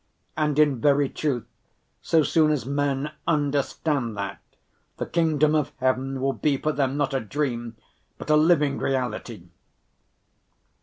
And in very truth, so soon as men understand that, the Kingdom of Heaven will be for them not a dream, but a living reality."